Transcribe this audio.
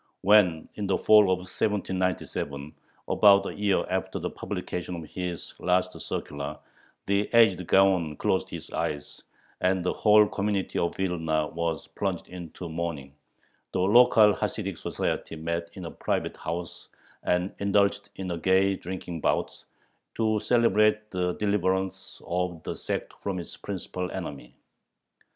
When, in the fall of 1797, about a year after the publication of his last circular, the aged Gaon closed his eyes, and the whole community of Vilna was plunged into mourning, the local Hasidic society met in a private house and indulged in a gay drinking bout, to celebrate the deliverance of the sect from its principal enemy.